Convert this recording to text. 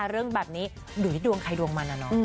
เรื่องแบบนี้หลุยดวงใครดวงมันอะเนาะ